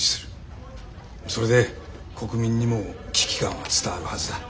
それで国民にも危機感は伝わるはずだ。